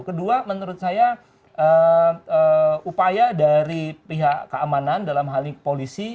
kedua menurut saya upaya dari pihak keamanan dalam hal ini polisi